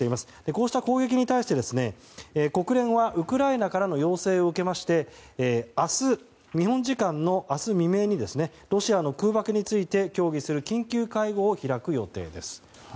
こうした攻撃に対して国連は、ウクライナからの要請を受けまして日本時間の明日未明にロシアの空爆について協議する緊急会合を開く予定です。